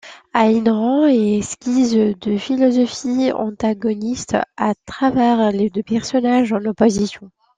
Ayn Rand y esquisse deux philosophies antagonistes, à travers les deux personnages en opposition.